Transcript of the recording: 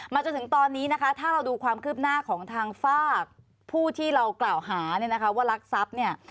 จนถึงตอนนี้นะคะถ้าเราดูความคืบหน้าของทางฝากผู้ที่เรากล่าวหาเนี่ยนะคะว่ารักทรัพย์เนี่ย